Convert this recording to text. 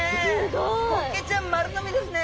ホッケちゃん丸飲みですね！